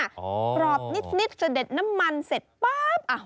กรอบนิดเสด็จน้ำมันเสร็จป๊าบ